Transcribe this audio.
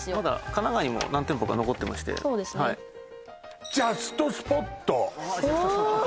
神奈川にも何店舗か残ってましてそうですねジャストスポットおおっ